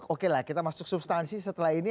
oke lah kita masuk substansi setelah ini